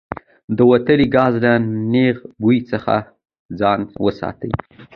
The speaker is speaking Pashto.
د وتلي ګاز له نیغ بوی څخه ځان وساتئ.